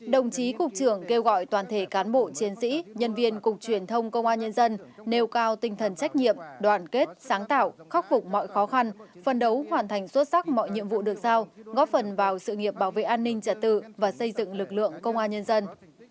đồng chí cục trưởng kêu gọi toàn thể cán bộ chiến sĩ nhân viên cục truyền thông công an nhân dân nêu cao tinh thần trách nhiệm đoàn kết sáng tạo khắc phục mọi khó khăn phân đấu hoàn thành xuất sắc mọi nhiệm vụ được giao góp phần vào sự nghiệp bảo vệ an ninh trả tự và xây dựng lực lượng công an nhân dân